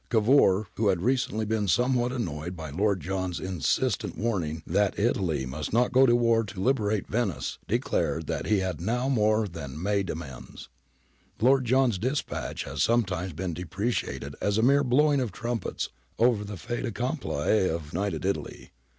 ^ Cavour, who had recently been somewhat annoyed by Lord John's insistent warning that Italy must not go to war to liber ate Venice, declared that he had now more than made amends.^ Lord John's dispatch has sometimes been de preciated as a mere blowing of trumpets over the fait accompli of United Italy.